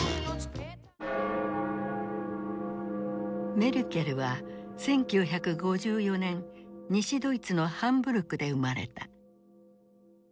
メルケルは１９５４年西ドイツのハンブルクで生まれた。